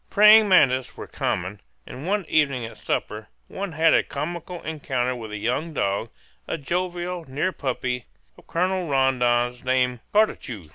Praying mantes were common, and one evening at supper one had a comical encounter with a young dog, a jovial near puppy, of Colonel Rondon's, named Cartucho.